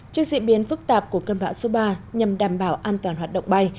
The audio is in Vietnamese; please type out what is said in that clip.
trước diễn biến phức tạp của cơn bão số ba nhằm đảm bảo an toàn hoạt động bay